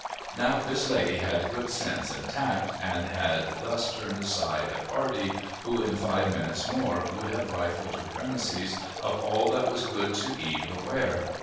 Now, this lady had good sense and tact, and had thus turned aside a party who, in five minutes more, would have rifled her premises of all that was good to eat or wear.